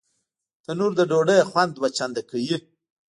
تنور د ډوډۍ خوند دوه چنده کوي